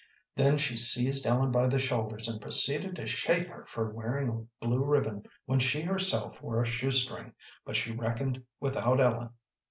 Then she seized Ellen by the shoulders and proceeded to shake her for wearing a blue ribbon when she herself wore a shoe string, but she reckoned without Ellen.